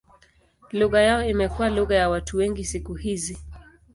Lugha yao imekuwa lugha ya watu wengi siku hizi.